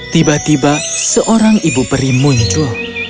tiba tiba seorang ibu peri muncul